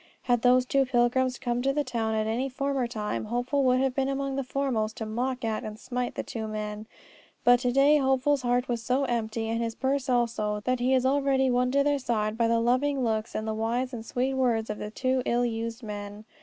Had those two pilgrims come to the town at any former time, Hopeful would have been among the foremost to mock at and smite the two men; but, to day, Hopeful's heart is so empty, and his purse also, that he is already won to their side by the loving looks and the wise and sweet words of the two ill used men.